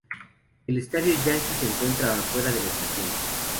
El Estadio Yankee se encuentra afuera de la estación.